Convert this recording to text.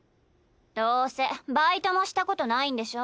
どうせバイトもしたことないんでしょ。